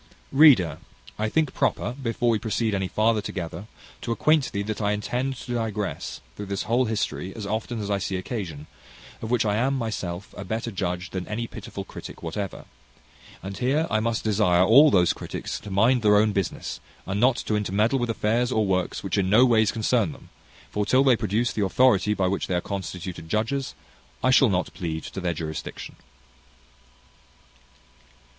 Reader, I think proper, before we proceed any farther together, to acquaint thee that I intend to digress, through this whole history, as often as I see occasion, of which I am myself a better judge than any pitiful critic whatever; and here I must desire all those critics to mind their own business, and not to intermeddle with affairs or works which no ways concern them; for till they produce the authority by which they are constituted judges, I shall not plead to their jurisdiction.